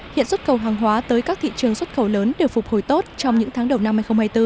hiện xuất khẩu hàng hóa tới các thị trường xuất khẩu lớn đều phục hồi tốt trong những tháng đầu năm hai nghìn hai mươi bốn